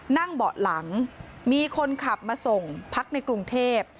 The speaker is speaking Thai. เบาะหลังมีคนขับมาส่งพักในกรุงเทพ